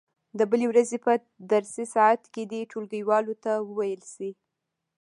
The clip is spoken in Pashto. د بلې ورځې په درسي ساعت کې دې ټولګیوالو ته وویل شي.